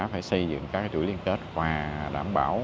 phải xây dựng các chuỗi liên kết và đảm bảo